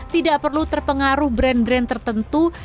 tidak perlu terpengaruh brand brand tertentu